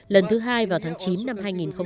lần thứ hai vào tháng chín năm hai nghìn một mươi ba